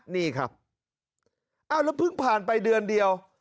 นี่ครับอ้าวแล้วเพิ่งผ่านไปเดือนเดียว